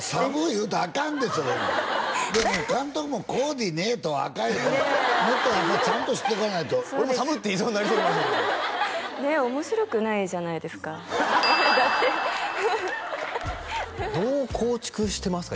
言うたらあかんでそれでも監督も「こうでねえと」はあかんよもっとやっぱちゃんとしとかないと俺も「寒っ」って言いそうにねえ面白くないじゃないですかだってどう構築してますか？